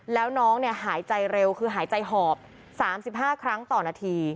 แล้วน้องหายใจเร็วคือหายใจหอบ๓๕ครั้งต่อนาที